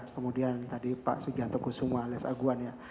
kemudian tadi pak sugianto kusuma alias aguan ya